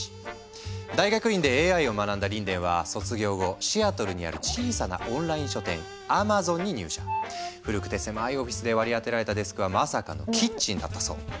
大学院でＡＩを学んだリンデンは卒業後古くて狭いオフィスで割り当てられたデスクはまさかのキッチンだったそう。